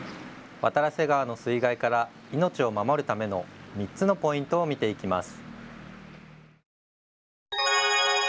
渡良瀬川の水害から命を守るための３つのポイントを見ていきます。